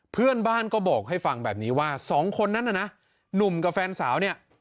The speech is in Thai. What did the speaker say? เพื่อนบ้านก็บอกให้ฟังแบบนี้ว่าสองคนนั้นน่ะนะหนุ่มกับแฟนสาวเนี่ย